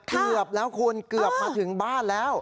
เกือบแล้วคุณเกือบมาถึงบ้านแล้ว